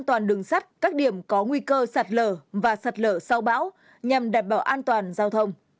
các địa bàn đường sắt các điểm có nguy cơ sạt lở và sạt lở sau bão nhằm đảm bảo an toàn giao thông